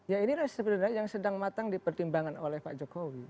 ya ini resipi yang sedang matang di pertimbangan oleh pak jokowi